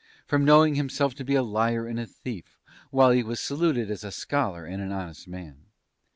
from knowing himself to be a liar and a thief, while he was saluted as a scholar and an honest man....